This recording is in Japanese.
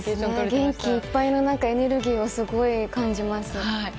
元気いっぱいのエネルギーをすごい感じます。